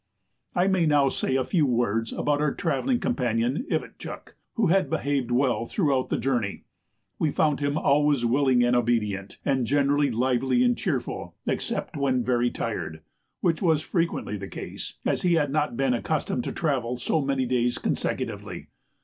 I may now say a few words about our travelling companion Ivitchuk, who had behaved well throughout the journey. We found him always willing and obedient, and generally lively and cheerful except when very tired, which was frequently the case, as he had not been accustomed to travel so many days consecutively.